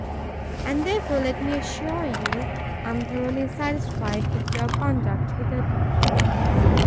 And, therefore, let me assure you, I am thoroughly satisfied with your conduct hitherto.